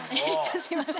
すいません。